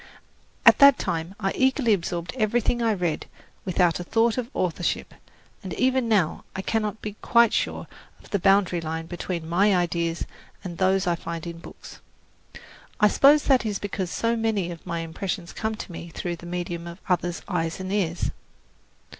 At that time I eagerly absorbed everything I read without a thought of authorship, and even now I cannot be quite sure of the boundary line between my ideas and those I find in books. I suppose that is because so many of my impressions come to me through the medium of others' eyes and ears.